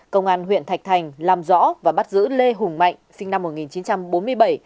công an huyện thạch thành làm rõ và bắt giữ lê hùng mạnh sinh năm một nghìn chín trăm bốn mươi bảy